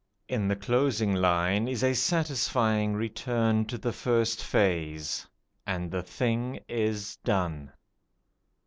In the closing line is a satisfying return to the first phase, and the thing is done.